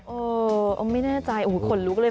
เออไม่แน่ใจขนลุกเลย